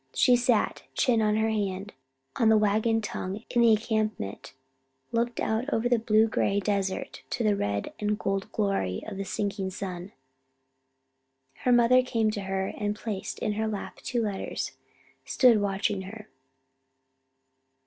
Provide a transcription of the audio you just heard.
She sat, chin on her hand, on a wagon tongue in the encampment, looking out over the blue gray desert to the red and gold glory of the sinking sun. Her mother came to her and placed in her lap the two letters, stood watching her.